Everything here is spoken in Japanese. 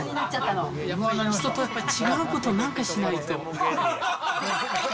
人とやっぱり違うことをなんかしないと。